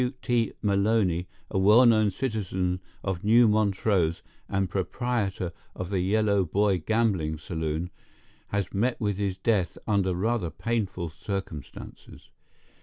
—W. T. Maloney, a well know citizen of New Montrose, and proprietor of the Yellow Boy gambling saloon, has met with his death under rather painful circumstances.